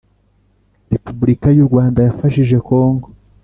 Repubulika y u Rwanda yafashije kongo